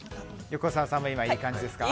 横澤さんも今いい感じですか？